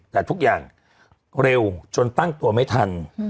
แต่ทุกอย่างเร็วจนตั้งตัวไม่ทัน